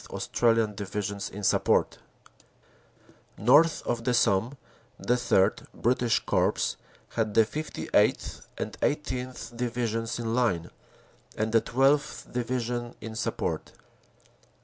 Australian Divisions in support. North of the Somme the III (British) Corps had the 58th. and 18th. Divi sions in line and the 12th. Division in support.